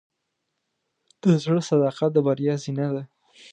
د زړۀ صداقت د بریا زینه ده.